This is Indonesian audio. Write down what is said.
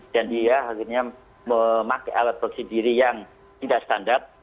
dan dia akhirnya memakai alat proteksi diri yang tidak setidaknya